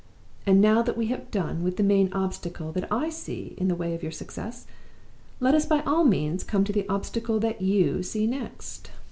And now that we have done with the main obstacle that I see in the way of your success, let us by all means come to the obstacle that you see next!